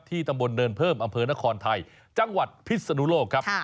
ตำบลเนินเพิ่มอำเภอนครไทยจังหวัดพิศนุโลกครับ